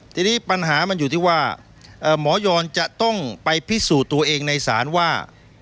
ทีนี้ปัญหามันอยู่ที่ว่าหมอยอนจะต้องไปพิสูจน์ตัวเองในศาลว่า